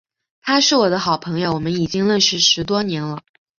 他是我的好朋友，我们已经认识十多年了。